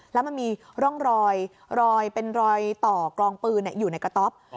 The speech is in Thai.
และมันมีร่องรอยเป็นรอยตอกลองปืนอยู่ในกระทอม